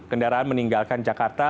kendaraan meninggalkan jakarta